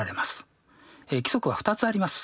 規則は２つあります。